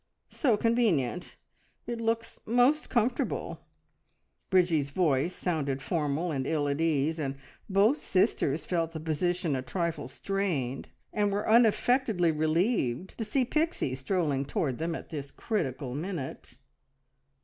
So convenient! It looks most comfortable!" Bridgie's voice sounded formal and ill at ease, and both sisters felt the position a trifle strained, and were unaffectedly relieved to see Pixie strolling towards them at this critical minute.